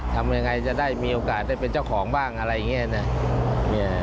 ทำยังไงจะได้มีโอกาสได้เป็นเจ้าของบ้างอะไรอย่างนี้นะ